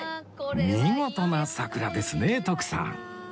見事な桜ですね徳さん